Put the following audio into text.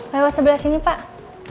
lewat sebelah sini pak